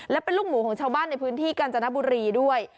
และเป็นลูกหมูของชาวบ้านในพื้นที่กาญจนบุรีด้วย